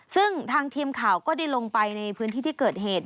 ซึ่งทางทีมข่าวก็ได้ลงไปในพื้นที่ที่เกิดเหตุ